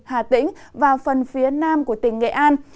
hà tĩnh và phần phía nam của tỉnh nghệ an